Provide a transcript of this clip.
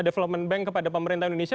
development bank kepada pemerintah indonesia